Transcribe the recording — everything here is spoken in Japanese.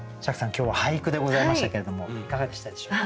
今日は俳句でございましたけれどもいかがでしたでしょうか？